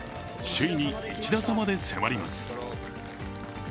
首位に１打差まで迫ります。